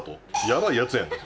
やばいやつやん。